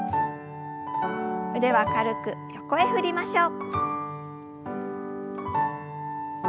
腕は軽く横へ振りましょう。